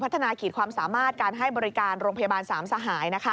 ขีดความสามารถการให้บริการโรงพยาบาลสามสหาย